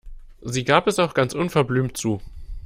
Sie gab es auch ganz unverblümt zu.